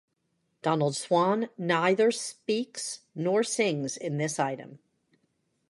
Donald Swann neither speaks nor sings in this item.